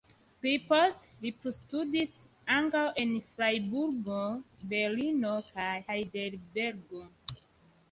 Pli poste li plustudis ankaŭ en Frajburgo, Berlino kaj Hajdelbergo.